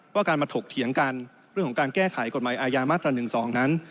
การมาถกเถียงกันเรื่องของการแก้ไขกฎหมายอาญามาตรา๑๒นั้น